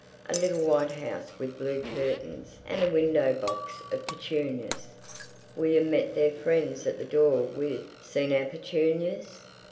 A little white house with blue curtains and a window box of petunias. William met their friends at the door with "Seen our petunias?